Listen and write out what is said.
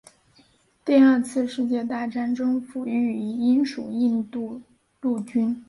第二次世界大战中服役于英属印度陆军。